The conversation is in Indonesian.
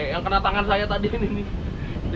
yang kena tangan saya tadi ini nih